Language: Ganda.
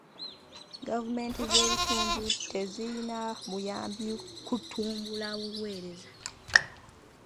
Gavumenti z'ebitundu tezirina buyambi kutumbula buweereza.